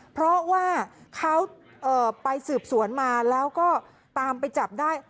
เพราะว่าเขาไปสืบสวนมาแล้วก็ตามไปจับได้